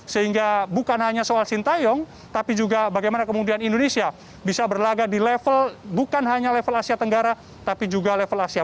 sehingga bukan hanya soal sintayong tapi juga bagaimana kemudian indonesia bisa berlaga di level bukan hanya level asia tenggara tapi juga level asia